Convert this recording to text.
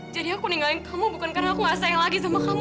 jadi aku ninggalin kamu bukan karena aku gak sayang lagi sama kamu